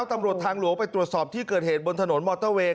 ตำรวจทางหลวงไปตรวจสอบที่เกิดเหตุบนถนนมอเตอร์เวย์